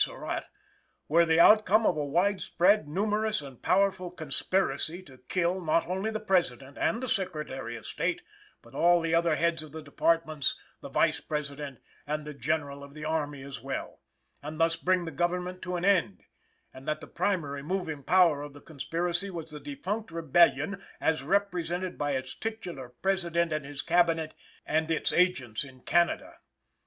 Surratt) were the outcome of a widespread, numerous and powerful conspiracy to kill, not only the President and the Secretary of State, but all the other heads of the Departments, the Vice President and the General of the Army as well, and thus bring the government to an end; and that the primary moving power of the conspiracy was the defunct rebellion as represented by its titular President and his Cabinet, and its agents in Canada.